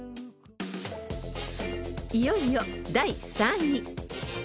［いよいよ第３位］